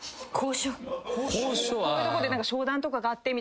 こういうとこで商談とかがあってみたいな。